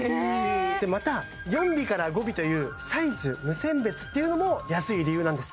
また４尾から５尾というサイズ無選別っていうのも安い理由なんです